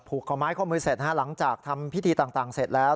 ขอไม้ข้อมือเสร็จฮะหลังจากทำพิธีต่างเสร็จแล้ว